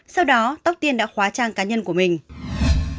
sau đó tóc tiên đã khóa trang cá nhân của mình